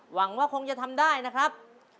หวังว่าคงจะทำได้นะครับ